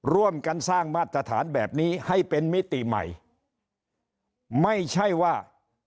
ร่วมกันสร้างมาตรฐานแบบนี้ให้เป็นมิติใหม่ไม่ใช่ว่า